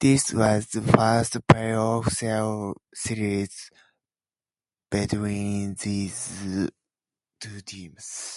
This was the first playoff series between these two teams.